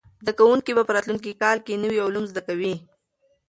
زده کوونکي به په راتلونکي کال کې نوي علوم زده کوي.